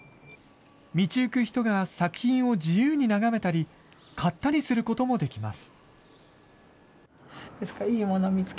道行く人が作品を自由に眺めたり、買ったりすることもできます。